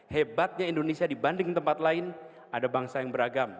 hebatnya indonesia dibanding tempat lain ada bangsa yang beragam